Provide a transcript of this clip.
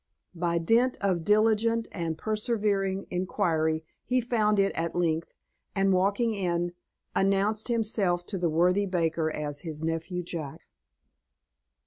By dint of diligent and persevering inquiry he found it at length, and, walking in, announced himself to the worthy baker as his nephew Jack.